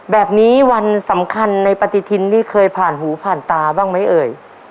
แบบนี้วันสำคัญในปฏิทินนี่เคยผ่านหูผ่านตาบ้างไหมเอ่ย